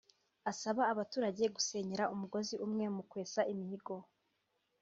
asaba abaturage gusenyera umugozi umwe mu kwesa imihigo